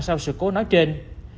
sau sự cố nói trên